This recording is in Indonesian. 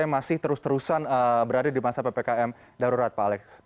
yang masih terus terusan berada di masa ppkm darurat pak alex